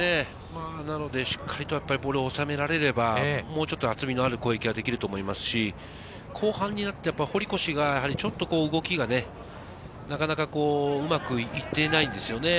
しっかりとボールを収められれば、もうちょっと厚みのある攻撃ができると思いますし、後半になって堀越がちょっと動きがね、なかなかうまく行っていないんですよね。